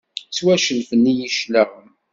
Ttwacellfen-iyi cclaɣem.